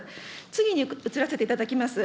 次に移らせていただきます。